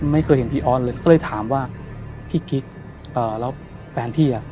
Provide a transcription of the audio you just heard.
ไม่เคยเห็นพี่ออสเลยก็เลยถามว่าพี่กิ๊กเอ่อแล้วแฟนพี่อ่ะ